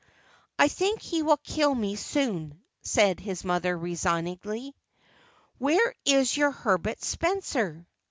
"I think he will kill me soon," said his mother resignedly. "Where is your Herbert Spencer?"